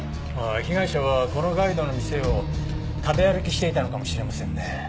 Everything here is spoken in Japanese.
被害者はこのガイドの店を食べ歩きしていたのかもしれませんね。